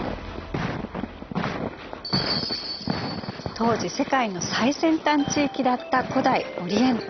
当時世界の最先端地域だった古代オリエント。